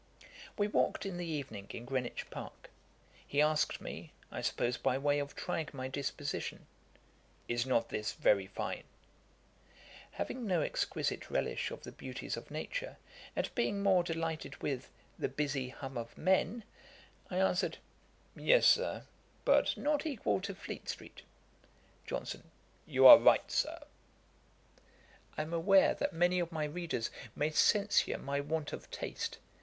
We walked in the evening in Greenwich Park. He asked me, I suppose, by way of trying my disposition, 'Is not this very fine?' Having no exquisite relish of the beauties of Nature, and being more delighted with 'the busy hum of men,' I answered, 'Yes, Sir; but not equal to Fleet street.' JOHNSON. 'You are right, Sir.' I am aware that many of my readers may censure my want of taste.